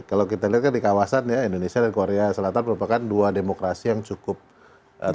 karena kita kan di kawasan ya indonesia dan korea selatan merupakan dua demokrasi yang cukup terpandang